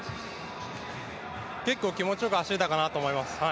結構気持ちよく走れたかなと思います。